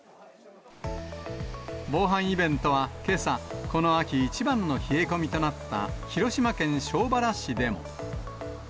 防犯イベントは、けさ、この秋一番の冷え込みとなった広島県庄原市でも。